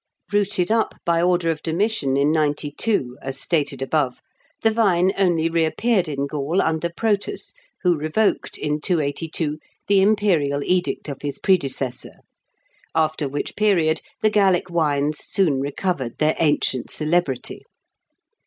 Rooted up by order of Domitian in 92, as stated above, the vine only reappeared in Gaul under Protus, who revoked, in 282, the imperial edict of his predecessor; after which period the Gallic wines soon recovered their ancient celebrity.